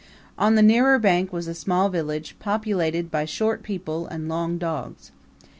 On the nearer bank was a small village populated by short people and long dogs.